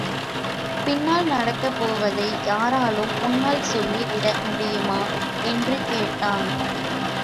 பின்னால் நடக்கப் போவதை யாராலும் முன்னால் சொல்லி விட முடியுமா? என்று கேட்டான்.